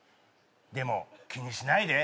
でも気にしないで。